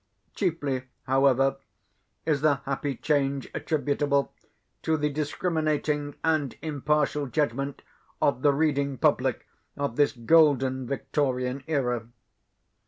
Chiefly, however, is the happy change attributable to the discriminating and impartial judgment of the reading public of this golden Victorian era.